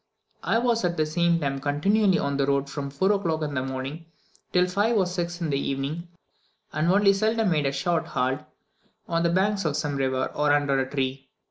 I was at the same time continually on the road from 4 o'clock in the morning, till 5 or 6 in the evening, and only seldom made a short halt on the banks of some river, or under a tree.